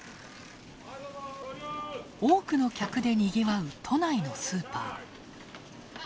多くの客でにぎわう、都内のスーパー。